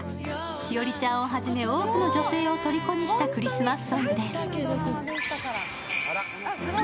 栞里ちゃんをはじめ、多くの女性をとりこにしたクリスマスソングです。